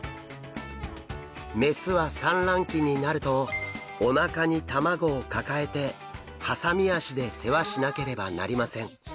雌は産卵期になるとおなかに卵を抱えてハサミ脚で世話しなければなりません。